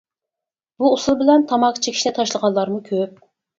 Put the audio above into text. بۇ ئۇسۇل بىلەن تاماكا چېكىشنى تاشلىغانلارمۇ كۆپ.